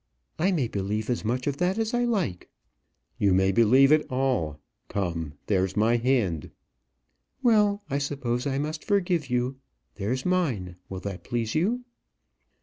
"I may believe as much of that as I like." "You may believe it all. Come, there's my hand." "Well, I suppose I must forgive you. There's mine. Will that please you?"